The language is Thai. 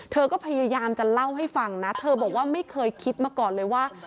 เธอก็พยายามจะเล่าให้ฟังนะเธอบอกว่าไม่เคยคิดมาก่อนเลยว่า